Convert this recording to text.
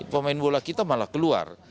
pemain bola kita malah keluar